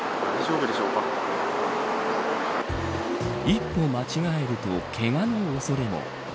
一歩間違えるとけがの恐れも。